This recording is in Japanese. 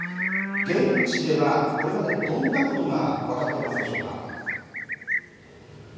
現地ではこれまで、どんなことが分かっていますでしょうか。